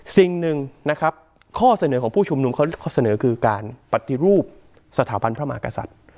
สิ่งหนึ่งนะครับข้อเสนอของผู้ชุมนุมเขาเสนอคือการปฏิรูปสถาบันพระมหากษัตริย์